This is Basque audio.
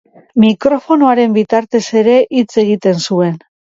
Mikrofonoaren bitartez ere hitz egiten zuen.